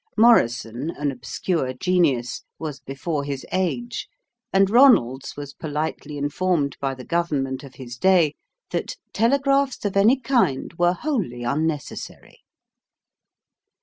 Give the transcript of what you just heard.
Morrison, an obscure genius, was before his age, and Ronalds was politely informed by the Government of his day that "telegraphs of any kind were wholly unnecessary."